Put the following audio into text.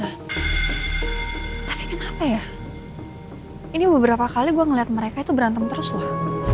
tapi kenapa ya ini beberapa kali gue ngeliat mereka itu berantem terus lah